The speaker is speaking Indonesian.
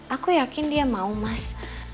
aku yakin dia mau mas